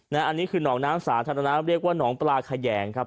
อันนี้คือหนองน้ำสาธารณะเรียกว่าหนองปลาแขยงครับ